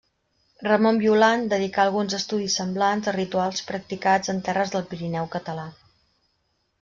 Ramon Violant, dedicà alguns estudis semblants a rituals practicats en terres del Pirineu català.